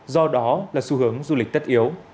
do đó là xu hướng du lịch tất yếu